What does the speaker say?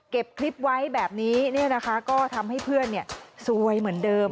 คลิปไว้แบบนี้ก็ทำให้เพื่อนซวยเหมือนเดิม